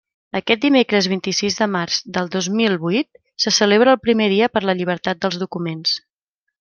Aquest dimecres vint-i-sis de març del dos mil vuit se celebra el primer Dia per la Llibertat dels Documents.